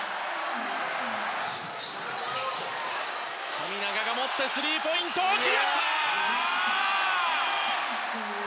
富永が持ってスリーポイント、決めた！